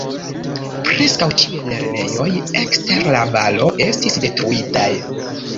Preskaŭ ĉiuj lernejoj ekster la valo estis detruitaj.